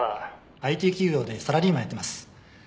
ＩＴ企業でサラリーマンやってます。